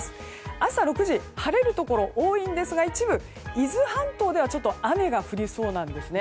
朝６時、晴れるところが多いんですが一部、伊豆半島ではちょっと雨が降りそうなんです。